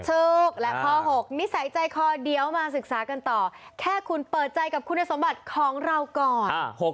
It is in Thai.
ถูกและข้อ๖นิสัยใจคอเดี๋ยวมาศึกษากันต่อแค่คุณเปิดใจกับคุณสมบัติของเราก่อน